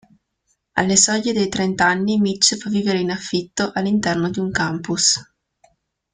Alle soglie dei trent'anni Mitch va a vivere in affitto all'interno di un "campus".